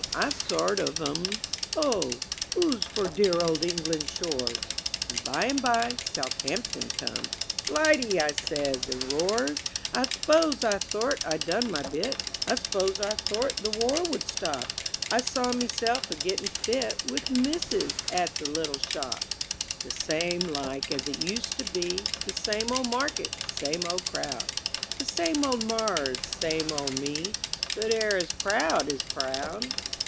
I sort of 'ums; "Oh, 'oo's for dear old England's shores?" And by and by Southampton comes "Blighty!" I says, and roars. I s'pose I thort I done my bit; I s'pose I thort the War would stop; I saw meself a getting fit With Missis at the little shop; The same like as it used to be, The same old markets, same old crowd, The same old marrers, same old me, But 'er as proud as proud....